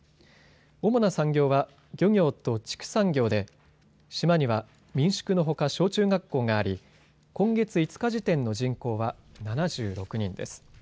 主な産業は漁業と畜産業で島には民宿のほか小中学校があり今月５日時点の人口は７６人です。